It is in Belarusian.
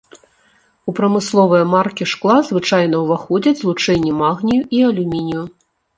У прамысловыя маркі шкла звычайна ўваходзяць злучэнні магнію і алюмінію.